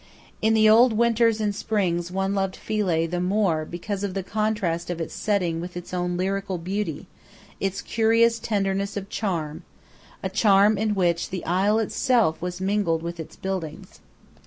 In the old winters and springs one loved Philae the more because of the contrast of its setting with its own lyrical beauty, its curious tenderness of charm a charm in which the isle itself was mingled with its buildings.